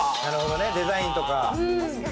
デザインとか。